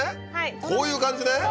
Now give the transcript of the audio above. こういう感じね。